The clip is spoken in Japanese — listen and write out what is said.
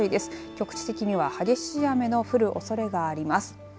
局地的には激しい雨の降るおそれがあります。